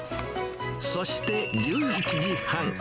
そして、１１時半。